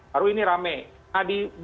baru ini rame nah di